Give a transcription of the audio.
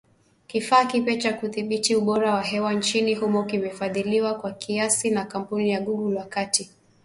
Kifaa kipya cha kudhibiti ubora wa hewa nchini humo kimefadhiliwa kwa kiasi na kampuni ya Google, wakati kikitumia sensa ya aina fulani.